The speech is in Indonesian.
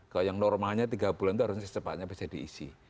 ke yang normalnya tiga bulan itu harusnya secepatnya bisa diisi